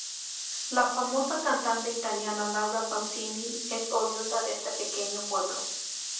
La famosa cantante italiana Laura Pausini es oriunda de este pequeño pueblo.